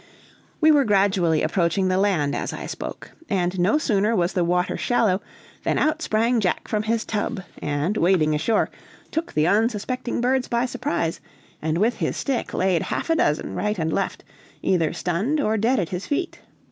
We were gradually approaching the land as I spoke, and no sooner was the water shallow, than out sprang Jack from his tub, and wading ashore, took the unsuspecting birds by surprise, and with his stick laid half a dozen, right and left, either stunned or dead at his feet.